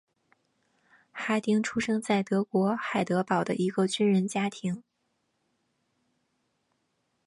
哈丁出生在德国海德堡的一个军人家庭。